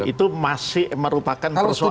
itu masih merupakan persoalan